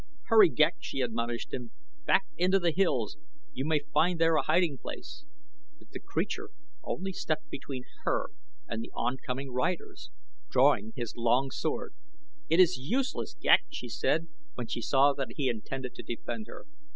"Hurry, Ghek!" she admonished him. "Back into the hills! You may find there a hiding place;" but the creature only stepped between her and the oncoming riders, drawing his long sword. "It is useless, Ghek," she said, when she saw that he intended to defend her.